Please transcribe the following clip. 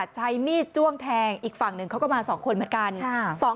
ใช้มีดจ้วงแทงอีกฝั่งหนึ่งเขาก็มา๒คนเหมือนกัน